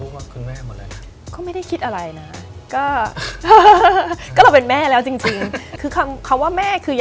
เวลามีคนเรียก